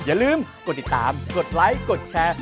อย่าลืมกดติดตามกดไลค์กดแชร์